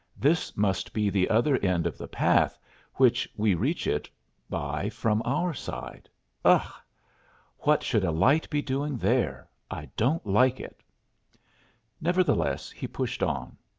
"This must be the other end of the path which we reach it by from our side. Ugh! what should a light be doing there?" Nevertheless, he pushed on.